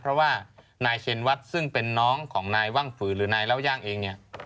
เพราะว่านายเชนวัดซึ่งเป็นน้องของนายว่างฝืนหรือนายเล่าย่างเองเนี่ย